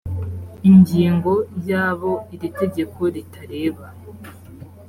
ingingo ya abo iri tegeko ritareba